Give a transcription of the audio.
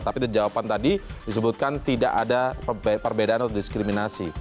tapi di jawaban tadi disebutkan tidak ada perbedaan atau diskriminasi